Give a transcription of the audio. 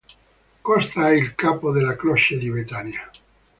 Costa è il capo della croce di Betania.